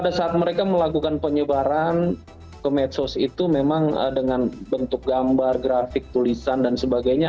pada saat mereka melakukan penyebaran ke medsos itu memang dengan bentuk gambar grafik tulisan dan sebagainya